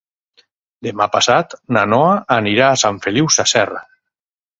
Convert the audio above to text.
Demà passat na Noa anirà a Sant Feliu Sasserra.